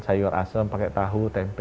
sayur asem pakai tahu tempe